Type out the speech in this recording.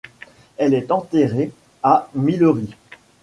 Elle est enterrée à Millery.